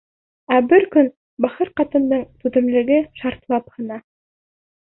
Ә бер көн бахыр ҡатындың түҙемлеге шартлап һына.